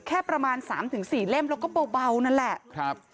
แค่ประมาณ๓๔เล่มแล้วก็เบานั่นแหละ